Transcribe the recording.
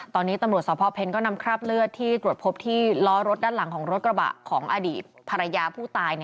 ตอนนี้ตำรวจสพเพ็ญก็นำคราบเลือดที่ตรวจพบที่ล้อรถด้านหลังของรถกระบะของอดีตภรรยาผู้ตาย